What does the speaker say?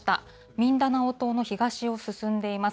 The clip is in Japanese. ミンダナオ島の東を進んでいます。